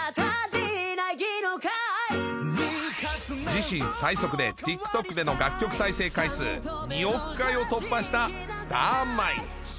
自身最速でティックトックでの楽曲再生回数２億回を突破したスターマイン。